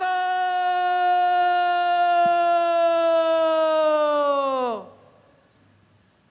tanda kebesaran buka